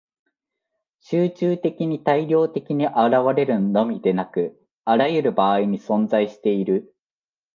集中的に大量的に現れるのみでなく、あらゆる場合に存在している。